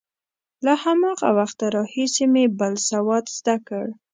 له هماغه وخته راهیسې مې بل سواد زده کړ.